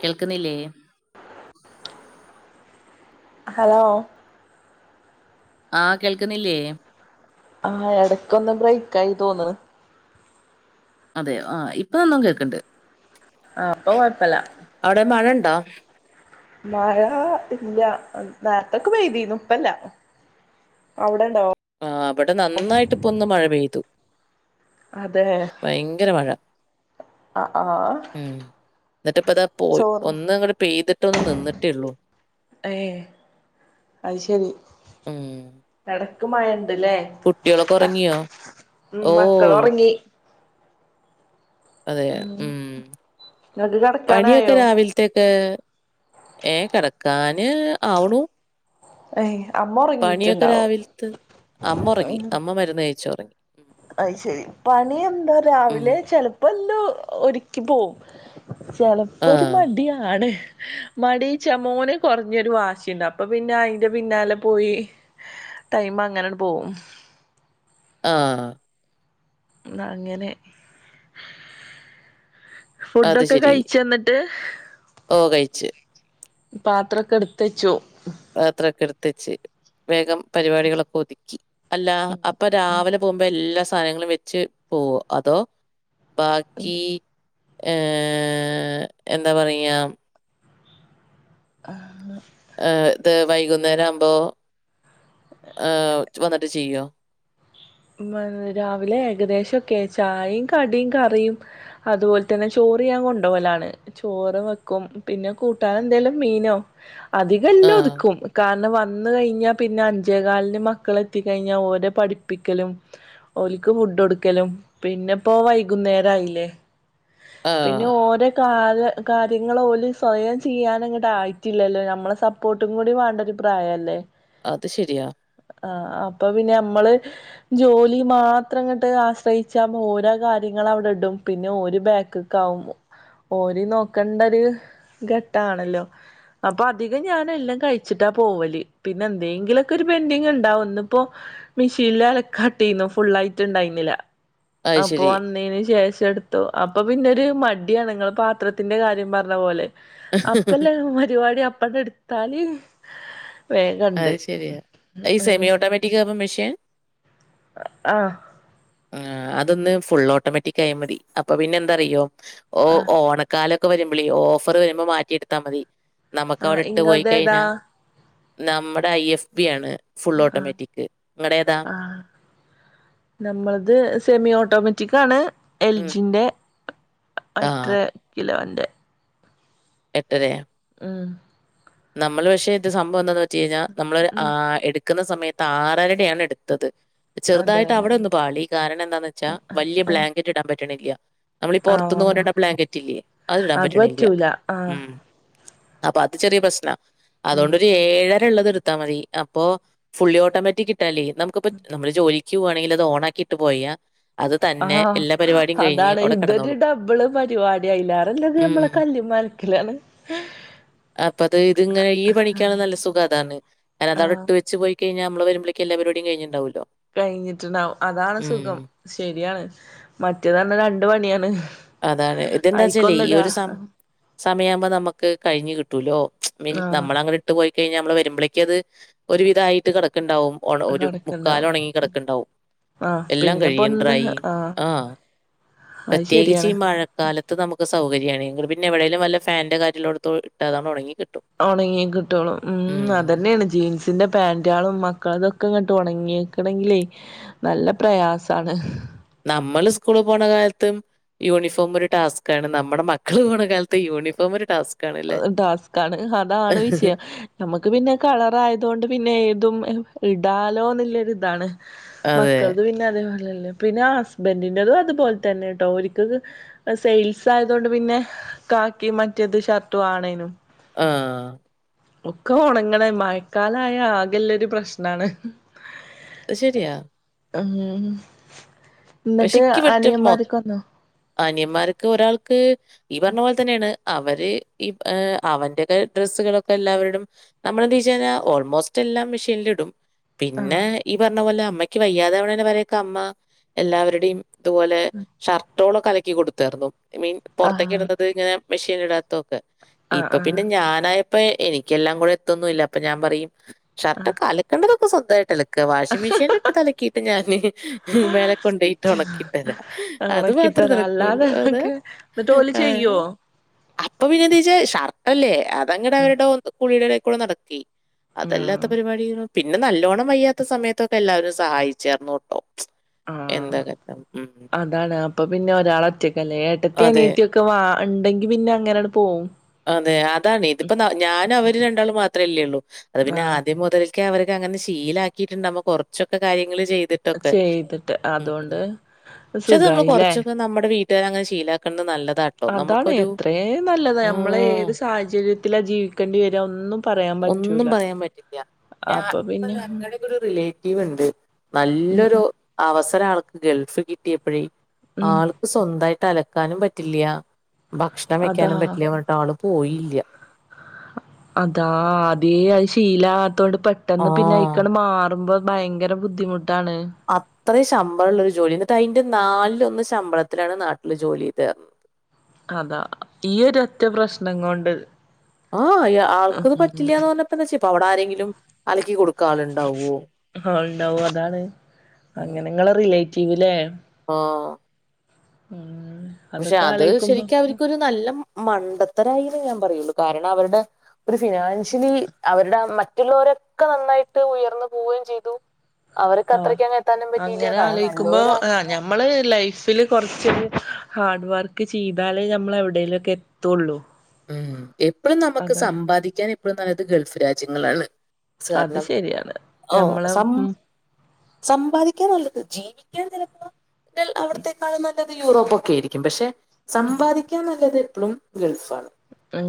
കേൾക്കുന്നില്ലേ ഹലോ ആഹ് കേൾക്കുന്നില്ലേ ആഹ് എടക്കൊന്ന് ബ്രേക്കായിന്ന് തോന്നണ് അതെ ആ ഇപ്പൊന്നു കേക്ക്ണ്ട് ആ അപ്പൊ കൊഴപ്പില്ല അവിടെ മഴ ഇണ്ടാ മഴ ഇല്ല നേരത്തൊക്കെ പെയ്തീരുന്നു ഇപ്പൊ ഇല്ല അവിടെണ്ടോ ആ അവിടെ നന്നായിട്ട് ഇപ്പൊന്ന് മഴ പെയ്തു അതെ ഭയങ്കര മഴ ആഹ് ആഹ് ഉം എന്നിട്ട് ഇപ്പിതാ പോയി ചോർന്ന് ഒന്ന് അങ്ങട് പെയ്തിട്ട് ഒന്ന് നിന്നിട്ടേള്ളൂ അയ് ശെരി ഉം എടക്ക് മഴ ഇണ്ട്ല്ലേ കുട്ടികളൊക്കെ ഉറങ്ങിയോ? ഉം ഓഹ് മക്കളൊറങ്ങി അതെ ഉം ഇങ്ങക്ക് പണിയൊക്കെ കെടക്കാനായോ രാവിൽ ത്തേക്ക് ഏ കെടക്കാന് ആവ്ണു ഏയ് അമ്മ പണിയൊക്കെ ഒറങ്ങീറ്റ്ണ്ടാവും രാവിൽത്ത് അമ്മ ഒറങ്ങി അമ്മ മരുന്ന് കഴിച്ചൊറങ്ങി അയ്ശെരി പണി എന്താ ഉം രാവിലെ ചെൽ പ്പല്ലോ ഒരുക്കി പോവും ചെലപ്പോരു ആഹ് മടിയാണ് മടി ചേ മോന് കൊറഞ്ഞൊരു വാശിയുണ്ട് അപ്പൊ പിന്നെ അയിന്റെ പിന്നാലെ പോയി ടൈം അങ്ങനാണ്ട് പോം ആഹ് അങ്ങനെ അത് ഫുഡൊക്ക ശരി. കഴിച്ചാന്നി ട്ട് ഓഹ് കഴിച്ച് പാത്രൊക്കെ എടുത്ത് വെച്ചു പാത്രാക്കെ എടുത്ത് വെച്ച് വേഗം പരിപാടികളൊക്ക ഒതുക്കി അല്ല അപ്പ രാവിലെ പോംമ്പോ എല്ലാ സാനങ്ങളും വെച്ച് പോവോ അതോ ബാക്കീ ഏഹ് എന്താ പറയാ ആഹ് ഏഹ് ഇത് വൈകുന്നേരം ആവുമ്പോ ആഹ് വന്നിട്ട് ചെയ്യോ ഉം രാവിലെ ഏകദേശക്കെ ചായയും കടിയും കറിയും അതുപോലെ തന്നെ ചോർഞാൻ കൊണ്ടോവലാണ് ചോറ് വെക്കും പിന്നെ കൂട്ടാൻ എന്തോലും മീനോ അധികം എല്ലും ആഹ് ഒതുക്കും കാരണം വ ന്ന് കഴിഞ്ഞാ പിന്നെ അഞ്ചേ കാലിന് മക്കള എത്തിക്കഴിഞ്ഞാൽ ഓര പഠിപ്പിക്കലും ഓല്ക്ക് ഫുഡ് കൊടുക്കലും പിന്നെപ്പോ വൈകുന്നേരം ആയില്ലേ ആഹ് പിന്നെ ഓരോ ക കാര്യങ്ങൾഓല് സ്വയം ചെയ്യാനങ്ങോട്ട ആയിട്ടില്ലല്ലോ നമ്മളെസപ്പോ ർട്ടും കൂടി വേണ്ട ഒരു പ്രായം അല്ലേ അത് ശരിയാ ആഹ് അപ്പൊ പിന്നെ നമ്മള് ജോലി മാത്രം ഇങ്ങട്ട് ആശ്രയിച്ച ഓരോ കാര്യങ്ങൾ അവിടെ ഇടും പിന്നെ ഒരു ബാക്ക് കാവും ഓര് നോക്കേണ്ട ഒരു ഘട്ടണല്ലോ അപ്പൊ അധികം ഞാൻ എല്ലാം കഴിച്ചിട്ടാ പോവൽ പിന്നെ എന്തെങ്കിലുംക്കെ ഒരു പെൻഡിങ് ഉണ്ടാവും ഇന്നി ഇപ്പോ ഫില്ല അലകാൻ ഇട്ടിനു ഫുള്ളായിട്ട്ണ്ടായിന്നില്ല അത് അപ്പൊ ശരി. വന്നതിന് ശേഷം എടു ത്തൂ അപ്പൊ പിന്നെരു മടിയാണ് നിങ്ങള് പാത്രത്തിന്റെ കാര്യം പറഞ്ഞ പോലെ അപ്പല്ലേ പരിപടി അപ്പ എടുത്താല് അത് വേഗണ്ട് ശരിയാ ഈ സെമി ഉം ഓട്ടോമാറ്റിക് ആവുമ്പോ മെഷീൻ ആഹ് ആഹ് അതൊന്ന് ഫുൾ ഓട്ടോമാറ്റിക് ആയ മതി അപ്പൊ പിന്നെ എന്താറിയോ ഓ ആഹ് ഓണക്കാലൊക്കെ വരുമ്പോളി ഓഫർ വരുമ്പോ മാറ്റി എടുത്താൽ മതി നമുക്ക് ആഹ് അവിടെ ഇട്ട് പോയി ഇങ്ങളത് ഏതാ കഴിഞ്ഞൽ നമ്മുടെ ഐ എഫ് ബി ആണ് ഫുൾ ഓട്ടോമാറ്റിക് ഇങ്ങട ഏതാ ആഹ് നമ്മളത് സെമി ഓട്ടോമാറ്റിക്കാണ് എൽ ഉം ജിൻ്റെ അത്ര ആഹ് കിലോൻ്റെ എട്ടരയ ഉം നമ്മള് പക്ഷെ ഇത് സംഭവം എന്താന്ന് വെച്ച് കഴിഞ്ഞാൽ നമ്മള ഉം എക്കുന്ന സമയത്ത് ആറരടെയാണ് എടുത്തത് അതെ ചെറുതായിട്ട് അവിടെ ഒന്ന് പാളി കാരണം എന്താന്ന് വെച്ചാ വലിയ ആഹ് ബ്ലാങ്കറ്റ് ഇടാൻ പറ്റണില്ല നമ്മള് ആഹ് പുറത്തുന്ന്കൊണ്ടുരുന്ന ബ്ലാങ്കറ്റ് ഇല്ലേ അത് ഇടാൻ പറ്റണില്ല പറ്റൂല ആഹ് ഉം അപ്പൊ അത് ചെറിയ പ്രശ്നം ഉം അതുകൊണ്ടരു ഏഴര ള്ളത് എടുത്താൽ മതി അപ്പോ ഫുള്ളി ഓട്ടോമാറ്റിക്ട്ടാൽ നമുക്കി നമ്മ ജോലി ജോലിക്കുവാണെങ്കിൽ അത് ഓണാക്കിയിട്ട് പോയാ അത് തന്നെ ആഹ് എല്ലാ പരിപാടിയും കഴിഞ്ഞ് അതാണ് അവിടെ ഇതൊരു കിടന്നോളും. ഡബിള് പരിപാടിയാ ഉം അയിലറഞമ്മളെ കല്ല്മാൽ ക്ല്ലാണ് അപ്പ അത് ഇതിങ്ങനെ ഈ പണിക്കാണ് നല്ല സുഖം ആതാണ് അത് ആഹ് അവിടെട്ട് വച്ച് പോയി കഴിഞ്ഞാ നമ്മള വരുമ്പോ എല്ലാപരിപാടി കഴിഞ്ഞുണ്ടാവല്ലോ കഴിഞ്ഞിട്ടുണ്ടാവും അതാണ് സുഖം ശരിയാണ് മറ്റേതന്ന രണ്ട് പണിയാണ് അതാണ് ആയിക്കൊന്നടാ സമയമാവുമ്പോ നമുക്ക് കഴിഞ്ഞു കിട്ടൂലോ മീൻ ആഹ് നമ്മളങ്ങനെ വിട്ട് പോയി കഴിഞ്ഞാൽ നമ്മൾ വരുമ്പോളേക്ക് അത് ഒരുവിധയിട്ട് കിടക്കണ്ടാവും ഒരു മുക്കാല കടക്ക്ണ്ടാവും ഉണങ്ങി കിടക്കണ്ടാവും ആഹ് എല്ലാം പിന്നെപ്പോ കയ്യും ഒന്ന് ഡ്രൈ ആഹ് അത് പ്രത്യേകിച്ച് ഈ ശരിയാണ് മഴ കാലത്ത് നമുക്ക് സൗകര്യണ് പിന്നെ എവിടേലും വല്ല ഫാൻന്റെ കാറ്റ് ലോടത്തോ ഇട്ടാഅത് ഉണങ്ങി ഉണങ്ങി കിട്ടുള്ളൂ ഉം അതന്നെയാണ് ജീൻസിന്റെ പാന്റ്ളും മക്കള്ളതും ക്ക ഉണങ്ങിക്കണങ്കില് നല്ല പ്രയാസമണ് നമ്മള് ഉസ്കൂള് പോണ കാലത്തും യൂണിഫോമൊരു ടാസ്ക് ആണ് നമ്മുടെ മക്കള് പോണ കാലത്ത് യൂണിഫോം ഒരു ടാസ്ക് ടാസ്കാണ് അതാണ് വിഷയം നമുക്ക് പിന്നെ കളറായതുകൊണ്ട് പിന്നെ ഏതും ഇടാലോ ന്നുള്ളൊരിതാണ് അതെ. മക്കളത് പിന്നെ അതേപോലെല്ലേ പിന്നെ ഹസ്ബൻഡിന്റെതും അതുപോലെ തന്നെ കേട്ടോ ഓരിക്ക ഇപ്പോ സെയിൽസ് ആയതൊണ്ട് പിന്നെ കാക്കി മറ്റേത് ഷർട്ടും ആണേനും ആഹ് ഒക്കെ ഉണങ്ങണെ മഴക്കാലായ ആകെല്ലൊരു പ്രശ്നാണ് തു ശരിയാ ഉം പക്ഷെ എന്നിട്ട് ഇക്ക് മറ്റേ മൊ അനിയന്മാരൊക്കെ വന്നോ അനിയന്മാർക്ക് ഒരാൾക്ക് ഈ പറഞ്ഞ പോലെ തന്നെയാണ് അവര് ഈ അവന്റെ ഒക്കെ ഡ്രെസ്സുകളൊക്കെ എല്ലാവരടും നമ്മളെന്ത്വെച്ച് കഴിഞ്ഞാ ഓൾമോസ്റ്റ് എല്ലാം മെഷീനിലിടും ആഹ് പിന്നെ ഈ പറഞ്ഞ പോലെ അമ്മയ്ക്ക് വയ്യാതാവണേനവരേക്കെ അമ്മ എല്ലാവരുടെയും ഇതുപോലെ ഷർട്ടോളൊക്കെ അലക്കി കൊടുത്തായിരുന്നു മീൻ പൊറത്തേക്ക് ആഹ് ഇടുന്നത് ഇങ്ങനെ മെഷീനിടാത്തൊക്കെ ഇപ്പൊ പിന്നെ ആഹ് ഞാനായപ്പോ എനിക്കെല്ലാം കൂടെ എത്തൊന്നുംല്ല അപ്പൊ ഞാൻ പറയും ഷർട്ടൊക്കെ അലക്കേണ്ടതൊക്കെ സ്വന്തമായിട്ടല വാഷിംഗ് മെഷീനിലിട്ടിതലക്കിയിട്ട് ഞാന് മേലെ ഇട്ട് ഉണക്കീട്ടരാ ആഹ് അത് മാത്രേ ഉണക്കിത്തരാ നടക്കുള്ളൂ അല്ലാതെ അതെ അതൊക്കെ എന്നിട്ട് ഓല് ചെയ്യോ ആഹ് അപ്പൊ പിന്നെന്ത്വച്ച ഷർട്ടല്ലേ അതങ്ങട് ഉം അവരുടെ കുളിയുടെടേക്കൂടെ നടക്കി അതല്ലാത്ത ആഹ് പരിപാടി പിന്നെ നല്ലോണ്ണം വയ്യാത്ത സമയത്തൊക്കെ എല്ലാവരും സഹായിച്ചാർന്നു ട്ടോ ആഹ് അതാണ് അപ്പൊ പിന്നെ ഒരാളൊറ്റക്കല്ലേ ഏട്ടത്തീം അതെ അനീത്തീ ക്കെ വാ ഉണ്ടെങ്കി പിന്നെ അങ്ങനെയങ്ങട് പോകും അതെ അതാണ് ഇതിപ്പ ഞാനും അവര് രണ്ടാളും മാത്രല്ലേ ഉള്ളൂ അത് പിന്നെ ആഹ് ആദ്യം മുതൽ ക്കെ അവര്ക്ക് അങ്ങനെ ശീലാക്കീട്ടുണ്ടാവമ്മോ കൊറച്ചൊക്കെ കാര്യങ്ങൾ ചെയ്തി ട്ടൊക്കെ ചെയ്തിട്ട് അതുകൊണ്ട് പക്ഷെത് നമ്മൾ സുഖായില്ലേ കൊറച്ചൊക്കെ നമ്മുടെ വീട് ട്ടിലങ്ങനെ ശീലാക്കേണ്ടത് നല്ലതാ അതാണ് എത്രേം നല്ലത് ഞാ നമ്മള് ഏത് സാഹചര്യത്തിലാ ജീവിക്കേണ്ടി വര്വ ഒന്നും പറയാൻ പറ്റൂല്ല ഒന്നും പറയാൻ പറ്റില്ല ഞാ ഇപ്പ ഉം ഞങ്ങടെക്കൊരു റിലേറ്റീവ് ഉണ്ട് നല്ലൊരു ഉം അവസരം ആൾക്ക് ഗൾഫ് കിട്ടിയപ്പോഴേ ഉം ആൾക് സ്വന്തായിട്ട് അലക്കാനും പറ്റില്യ ഭക്ഷണം അതാ വെക്കാനും പറ്റില്യ പറഞ്ഞിട്ട് ആള് പോയില്ല അതാ അതേ അത് ശീലാകാത്തോണ്ട് ആ പെട്ടെന്ന് പിന്നെ അയൊക്കങ്ങട് മാറുമ്പോ ഭയങ്കര ബുദ്ധിമുട്ടാണ് അത്രയും ശമ്പളള്ളൊരു ജോലി എന്നിട്ട് അതിന്റെ നാലിലൊന്ന് ശമ്പളത്തിലാണ് നാട്ടില് ജോലി ചെയ്ത് അതാ ഈ ഒരു ഒറ്റപ്രശ്നം കൊണ്ട് ആഹ് അയാ ആൾക്കത് പറ്റില്യാന്ന് പറഞ്ഞപ്പന്ന്വച്ചേ പ്പോ അവിടാരെങ്കിലും അലക്കി കൊടുക് ആളുണ്ടാവും അതാണ് അങ്ങനെ നിങ്ങളെ റിലേറ്റീവ് ല്ലേ ആഹ് ഉം പക്ഷെ അതൊക്കെ അത് ആലോയിക്കുമ്പോ ശരിക്ക് അവര്ക്കൊരു നല്ല മണ്ടത്തരായിന്നേ ഞാൻ പറയുള്ളൂ കാരണം അവരുടെ ഒരു ഫിനാൻഷ്യലി അവരുടെ മറ്റുള്ളവരൊക്കെ നന്നായിട്ട് ഉയർന്നു പോവേം ചെയ്തു അവര്ക്ക് ആഹ് അത്രക്കങ്ങ് എത്താനും പറ്റീല്യ കാരണം നല്ലോ നമ്മള് ലൈഫില് കൊറച്ചൊരു ഹാർഡ് വർക്ക് ചെയ്താലേ ഞമ്മള് എവിടേലൊക്കെ എ ത്തുള്ളു ഉം എപ്പഴും നമുക്ക് സമ്പാദിക്കാൻ എപ്പഴും നല്ലത് ഗൾഫ് രാജ്യങ്ങളാണ് അത് കാരണം ശരിയാണ് ആഹ് ഞമ്മളെ സം ഉം സമ്പാദിക്കാൻ നല്ലത് ജീവിക്കാൻ ചിലപ്പോ അവിടത്തെക്കാളും നല്ല ത് യൂറോപ്പൊക്കെ ആയിരിക്കും പക്ഷെ സമ്പാദിക്കാൻ നല്ലത് എപ്പളും ഗൾഫാണ്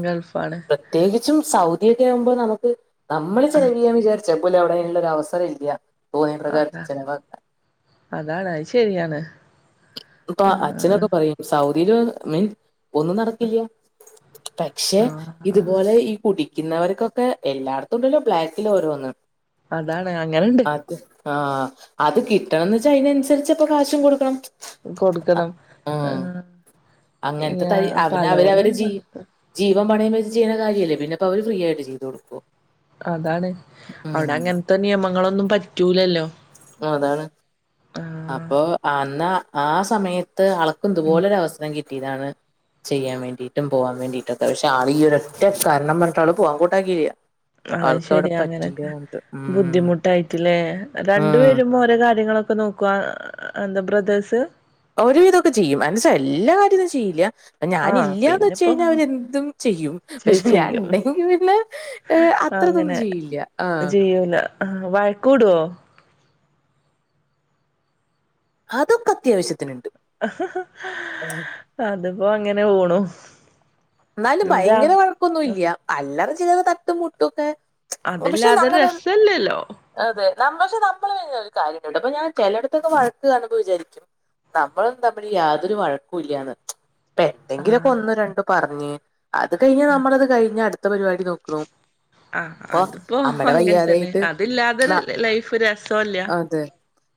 ഗൾഫാാണ് പ്രത്യേകിച്ചും സൗദിക്കെ ആവുമ്പോൾ നമുക്ക് നമ്മള് ചെലവ ചെയ്യാൻ വിചാരിച്ച- ച്ചപ്പല എവിടെ ഉള്ള ഒരു അവസരം ഇല്ല തോന്നിയ പ്രകാര അതാ ചെലവാക്ക് അതാണ് അഹ് ശരിയാണ് പ്പൊ അച്ഛനൊക്കെ പറയും സൗദിയില് മീൻസ് ഒന്നും നടക്കില്ല പക്ഷെ ആഹ് ആഹ് ഇതുപോലെ ഈ കുട്ടി ഇരിക്കുന്നവർക്കൊക്കെ എല്ലായിടത്തുംണ്ടല്ലും ബ്ലാക്കിൽ ഓരോന്ന് അതാണ് അങ്ങനെണ്ട് അത് ആഹ് അത് കിട്ടണംന്ന് വെച്ചാ അതിനനുസരിച്ചപ്പ കാശും കൊടുക്കണം കൊടുക്കണം ആഹ് ആ- അങ്ങനത്തെ ത അവന് അവര് അവര് ജീ- ജീവ പണയ വച്ച് ചെയ്യുന്ന കാര്യല്ലേ പിന്നെപ്പ അവര് ഫ്രീ ആയിട്ട് ചെയ്തു കൊടുക്കോ അതാണ് അവിടെ അങ്ങനത്തെ നിയമങ്ങളൊന്നും പറ്റൂലല്ലോ ആ അതാണ് ആഹ്. അപ്പൊ അന്ന ആ സമയത്ത് അളക്ക് ഉം. ഇതുപോലെ ഒരു അവസരം കിട്ടിയതാണ് ചെയ്യാൻ വേണ്ടിയിട്ടും പോവാൻ വേണ്ടിയിട്ടൊക്കെ പക്ഷെ ആൾ ഈ ഒരൊറ്റ കാരണം പറഞ്ഞട്ട് ആള് പോവാൻ കൂട്ടാക്കിയില്ല അത് ആൾക്കവിടെ ശെരിയാ പറ്റില്ല അങ്ങനൊക്കെ ഉം ബുദ്ധിമുട്ടായിട്ടില്ലേ രണ്ടു ഉം പേരും ഓരോ കാര്യങ്ങളൊക്കെ നോക് എന്ത ബദേർസ് ഒരുവിതൊക്കെ ചെയ്യും മനസ്സ എല്ലാ കാര്യൊ ഒന്നും ചെയ്യില്ല ആഹ് ഞാനില്ലാന്ന് വെച്ച പിന്നെപ്പോ കഴിഞ്ഞാൽ അവന എന്തും ചെയ്യും ചെ പക്ഷെ ഞാൻ ചെയ്യും. ണ്ടെങ്കിൽ പിന്നെ- ഏ അത്രതൊന്നും ചെയ്യില്ല ആഹ് ആ വഴക്കോടോ? അതൊക്കെ അത്യാവശ്യത്തിനുണ്ട് അ ഹാ ഹാ [unintelligible] അതിപ്പോ അങ്ങനെ പോണു ന്നാലും എന്താ ഭയങ്കര വഴക്കൊന്നുല്ല അല്ലത ചിലറ തട്ടും മുട്ടുംക്കെ- പക്ഷെ അതില്ലാതെ നങ്ങന- രസല്ലല്ലോ. അതെ ന പക്ഷെ നമ്മള് ക ഒരു കാര്യണ്ട് അപ്പ ഞൻ ചിലയിടത്തൊക്കെ വഴക്ക് കാണുമ്പോൾ വിചാരിക്കും നമ്മളും തമ്മിൽ യാതൊരു വഴക്ക ഇല്ലന്ന് ഇപ്പ എന്തെങ്കിലൊക്കെ ആഹ്. ഒന്ന് രണ്ടു പറഞ്ഞ് അത് കഴിഞ്ഞ നമ്മളത് കഴിഞ്ഞഞ് അടുത്ത പരിപാടി നോക്കണു ആഹ് ഇപ്പൊ അതിപ്പോ അമ്മടെ അങ്ങനെ തന്നെ വയ്യാതായിട്ട് അതില്ലാതൊരു ലൈഫ് രസവല്ല. അത്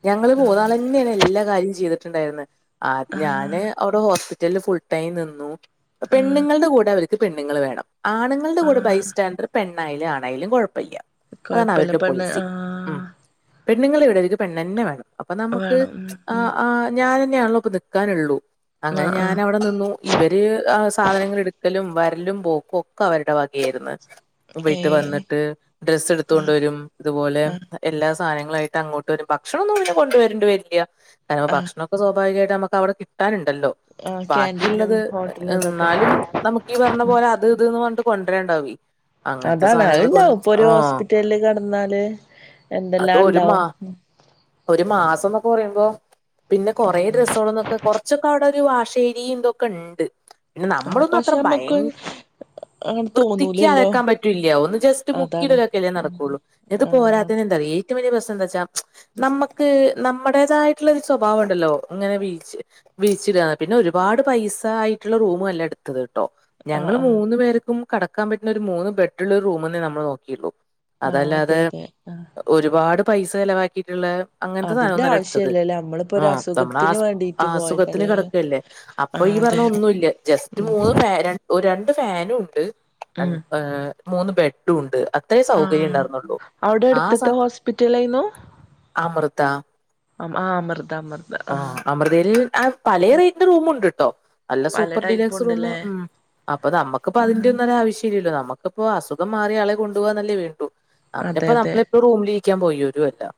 ഞങ്ങള് മൂന്നാളെ അന്നെയാണ് എല്ലാ കാര്യം ചെയ്തിട്ടുണ്ടായിന്ന് ആ ആഹ്. ഞാന് അവിടെ ഹോസ്പിറ്റലില് ഫുൾ ടൈം നിന്നു ആഹ് പെണ്ണുങ്ങളുടെ കൂടെ അവർക്ക് പെണ്ണുങ്ങൾേവേണം ആണുങ്ങളുടെ കൂടെ ആഹ് ബൈസ്റ്റാൻഡേർഡ് പെണ്ണായാലും ആണായാലും കുഴപ്പല്ല അതാണ് കൊഴപ്പല്ല അവരുടെ പെണ്ണ് പൊളിസി ഉ- ആഹ് പെണ്ണുങ്ങൾ ഇവിടെരിക്കും പെണ്ണണ് തന്നെ വേണം അപ്പൊ നമുക്ക് വേണം ഉം ആ ഉം ആ- ഞാനന്നെയാണല്ലോ ഇപ്പൊ നിക്കാനുള്ളൂ അങ്ങനെ ആഹ് ഞാൻ ആഹ് അവിടെ നിന്നു ഇവര്- ആ സാധനങ്ങൾ എടുക്കലും വരലും പോക്കും ഒക്കെ അവരുടെ വകയായിരുന്നു. വീട്ട് ഏഹ് വന്നിട്ട് ഡ്രസ് എടുത്ത കൊണ്ട ആഹ് വരും ഇതുപോലെ ആഹ് എല്ലാ സാധനങ്ങളായിട്ട് അങ്ങോട്ട് വരും ഭക്ഷണം ഒന്നും ഇ കൊണ്ടുവരേണ്ടി വരില്ല കാരണം ആഹ് ഭക്ഷണ- സ്വാഭാവികമായിട്ട് നമക്ക് അവിടെ കിട്ടാനുണ്ടല്ലോ ആഹ് കാന്റീനും ബാക്കിയുള്ളത് ഹോ - എന്നാലും നമുകീ പറഞ്ഞ പോലെ അത് ഇത് ന്ന് പറഞ്ഞി കൊണ്ട രണ്ടാവ അതാണ് അത്ണ്ടാവും ഇപ്പൊ ഒരു ഹോസ്പിറ്റലില് കടന്നാല് അത് എന്തെല്ലാം ഒരു മാ ണ്ടാവും ഒരു മാസം ന്നൊക്കെ പറയുമ്പോ പിന്നെ കൊറേ രസൾ എന്നൊക്കെ കൊറ- കുറച്ചൊക്കെ ഔടെ ഒരു വാശരിയും എന്തൊക്കെ ഉണ്ട് പിന്നെ ആഹ് നമ്മളൊന്ന അത്ര പക്ഷെ ഭയ- നമ്മക്ക് അങ്ങനെ വൃത്തിക്ക് തോന്നൂലല്ലോ അതക്കാൻ പറ്റൂല്ലയോ ഒന്ന് ജസ്റ്റ് അതാണ് മുക്കിതാക്കലെ നടക്കയുള്ളൂ ഇത് ആഹ് പോരാത്തനെ എന്താറിയോ റ്റ വലിയ പ്രശ്നം എന്താ വെച്ചാ നമ്മുക്ക് നമ്മുടേതായിട്ടുള്ള ഒരു സ്വഭാവം ണ്ടല്ലോ ഇങ്ങനെ വീഴച്ച് വിഴിച്ചിട്ടന്ന പിന്നെ ഒരുപാട് പൈസ ആയി [unintelligible] റൂമല്ല എടുത്തത് കേട്ടോ ആഹ് ഞങ്ങള് ആഹ് മൂന്നു പേർക്കും കിടക്കാൻ പറ്റുന്ന ഒരു മൂന്ന് ബെഡുള്ള ഒരു റൂമ് തന്നെ നമ്മൾ നോക്കിയുള്ളൂ ആഹ് അതെ അതല്ലാതെ അതെ ആഹ് ഒരുപാട് പൈസ ചിലവാക്കിയിട്ടുള്ള അങ്ങനത്തെ സാധനം അതിന്റെ ഒന്നുമല്ല എടുത്തത് ആവശ്യല്ലല്ലോ നമ്മളിപ്പോ ഒരു ആഹ് അസുഖത്തിന് നമ്മള് ആ വേണ്ടിട്ട് അസുഖത്തിന് പോയതല്ലേ കിടക്കയല്ലേ അ അപ്പൊ ആഹ് ഈ അതെ പറഞ്ഞ ഒന്നുമില്ല ജസ്റ്റ് മൂന്ന് ഫാൻ രണ്ട് ഫാനും ഉണ്ട് ഉം ഏഹ് മൂന്ന് ബെഡും ഉണ്ട് അത്രേ സൗകര്യം ആഹ് ഉണ്ടായിരുന്നുള്ളൂ അവിടെ ആഹ് അടുത്തത്തെ സ ഹോസ്പിറ്റലായിരുന്നു അമൃത ആഹ് ആഹ് അമൃത അമൃത ആ ആഹ് അമൃതയിൽ ആ പല റേറ്റിന്റെ റൂമ് ഉണ്ട് കേട്ടോ നല്ല സൂ പല പ്പർ ടൈപ്പ് ഡീലക്സ് റൂമ് ഉണ്ട്ല്ലേ ഉം അപ്പൊ നമ്മുക്കിപ്പോ അതിന്റെ ഒന്നും ഒരു ആവശ്യമില്ലല്ലോ നമു ക്ക് ഇപ്പോ അസുഖം മാറിയ ആളെ കൊണ്ടുപോവാൻ അല്ലേ വേണ്ടു അതെ അതിനിപ്പോ അതെ നമ്മളിപ്പോൾ റൂമിലിരിക്കാൻ പോയതോ അല്ല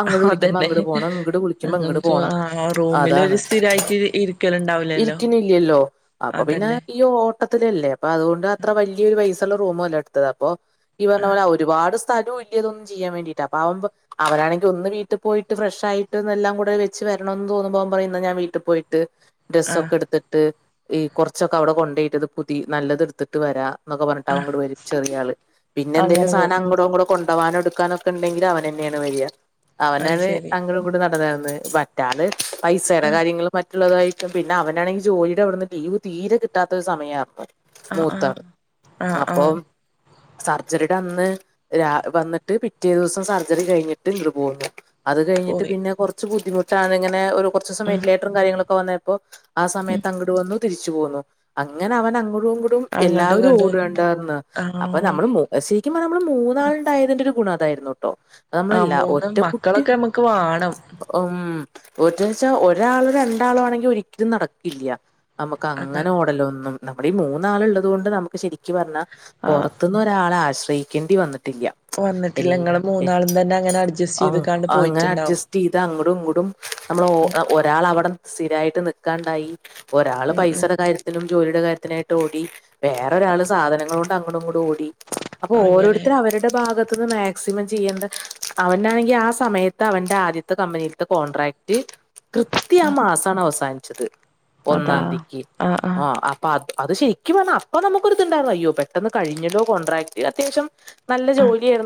അങ്ങട് വിളിക്കുമ്പോ അതന്നെ അങ്ങട് പോണം ഇങ്ങട് വിളിക്കുമ്പോ ഇങ്ങട്ട് പോണം ആഹ് റൂമില് അതാണ് ഒരു സ്ഥിരായിട്ട് ഇരിക്കലുണ്ടാവില്ലല്ലോ ഇരിക്കണില്ലല്ലോ അപ്പൊ പിന്നെ അതന്നെ ഈ ഓട്ടത്തിലല്ലേ അപ്പൊ അതുകൊണ്ട് അത്ര വലിയൊരു പൈസയുള്ള റൂമല്ല എടുത്തത് അപ്പൊ ഈ പറഞ്ഞ പോലെ ഒരുപാട് സ്ഥലവും ഇല്ല ഇതൊന്നും ചെയ്യാൻ വേണ്ടീട്ട് അപ്പൊ അവൻ പറ അവനാണെങ്കിൽ ഒന്ന് വീട്ടിൽ പോയിട്ട് ഫ്രഷ് ആയിട്ട്ന്ന് എല്ലാം കൂടെ വെച്ച് വരണം എന്ന് തോന്നുമ്പോ അവൻ പറയും എന്നാ ഞാൻ വീട്ടിൽ പോയിട്ട് ആഹ് ഡ്രസ്സൊക്കെ എടുത്തിട്ട് ഈ കുറച്ചൊക്കെ അവിടെ കൊണ്ടുപോയി ഇട്ടിട്ട് പുതി നല്ലത് എടുത്തിട്ട് വരാ എന്നൊക്കെ പറഞ്ഞിട്ട് ഇങ്ങോട്ട് വരും ചെറിയ ആള് പിന്നെ എന്തെിലും അങ്ങനെ സാധനം പോകും അങ്ങടോ ഇങ്ങടോ കൊണ്ടു പോവാനോ എടുക്കാനോ ക്ക് ഉണ്ടെങ്കിൽ അവൻ തന്നെയാണ് വരിക അത് അവനാണ് ശരി അങ്ങടും ഇങ്ങടും നടന്ന് നടന്നു മറ്റാള് പൈസയുടെ ആഹ് കാര്യങ്ങും മറ്റുള്ളതായിട്ടും പിന്നെ അവനാണെങ്കിൽ ജോലിയുടെ അവിടുന്ന് ലീവ് തീരെ കിട്ടാത്ത ഒരു സമയമാ ആഹ് ആഹ് മൂത്തആള് ആഹ് അപ്പൊ ആഹ് സർജറിയുടെ അന്ന് രാ വന്നിട്ട് പിറ്റേ ദിവസം സർജറി കഴിഞ്ഞിട്ട് ഇങ്ങട്ട് പോന്നു അത് കഴിഞ്ഞിട്ട് പോയി പിന്നെ കുറച്ച് ബുദ്ധിമുട്ടാണ് ഇങ്ങനെ ഒരു കുറച്ച് സമയം ഉം വെന്റിലേറ്ററും കാര്യങ്ങളൊക്കെ വന്നപ്പോ ആ ഉം സമയത്ത് അങ്ങട് വന്നു തിരിച്ചു പോന്നു അങ്ങനെ അവൻ അങ്ങോടും ഇങ്ങോടും അങ്ങോട്ടും എല്ലാവരും ഇങ്ങോട്ടും ഓടേണ്ടായിന്ന് അപ്പൊ ആഹ് നമ്മള് മൂ ശരിക്കും പറയുമ്പോൾ നമ്മള് മൂന്നാൾ ഉണ്ടായതിന്റെ ഒരു ഗുണം അതായിരുന്നു കേട്ടോ ആഹ് മൂന്ന് മക്കളൊക്കെ നമ്മുക്ക് വേണം ഉം ഒറ്റ വെച്ചാ ഒരാള് രണ്ടാളും ആണെങ്കിൽ ഒരിക്കലും നടക്കില്ല നമുക്ക് അങ്ങനെ അതാണ് ഓടലൊന്നും നമ്മുടെ ഈ മൂന്നാൾ ഉള്ളത് കൊണ്ട് നമുക്ക് ശരിക്കു പറഞ്ഞാൽ ആഹ് പുറത്ത് ന്നേ ഒരാളെ ആശ്രയിക്കേണ്ടി വന്നിട്ടില്ല വന്നിട്ടില്ല ഇങ്ങള് എല്ലാം മൂന്നാളും ഏഹ് തന്നെ അങ്ങനെ അഡ്ജസ്റ്റ് ചെയ്ത്ക്കാണ്ട് അങ്ങനെ അഡ്ജ പോയിട്ടുണ്ടാവും സ്റ്റ് ഇത് അങ്ങോടും ഇങ്ങോടും നമ്മൾ ഉം ഒരാൾ അവിടെ സ്ഥിരായിട്ട് നിക്കാനുണ്ടായി ഒരാൾ ഉം ഉം പൈസയുടെ കാര്യത്തിനും ജോലിയുടെ കാര്യത്തിനായിട്ട് ഓടി വേറെ ഒരാള് സാധനങ്ങൾ കൊ ണ്ട് അങ്ങടും ഇങ്ങടും ഓടി അപ്പോ അങ്ങനെ ഓരോരുത്തരും അവരുടെ ഭാഗത്ത് നിന്ന് മാക് സിമം ചെയ്യേണ്ട അവനാണെങ്കിൽ ആ സമയത്ത് അവന്റെ ആദ്യത്തെ കമ്പനിയിലത്തെ കോൺട്രാക്ട് കൃത്യം ആ ആഹ് മാസമാണ് അവസാനിച്ചത് അതാ ഒന്നാംതിക്ക് ആഹ് അപ്പം അത് ശരിക്കും പറഞ്ഞൽ അപ്പൊ നമുക്കൊരു ഇതുണ്ടായിരുന്നു അയ്യോ പെട്ടെന്ന് കഴിഞ്ഞല്ലോ കോൺട്രാക്ട് അത്യാവശ്യം നല്ല ആഹ് ജോലി ആയിരുന്നു